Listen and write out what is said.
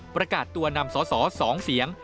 ประกาศตัวนำสส๒เสียง